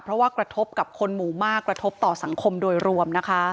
เพราะว่ากระทบกับคนหมู่มากกระทบต่อสังคมโดยรวมนะคะ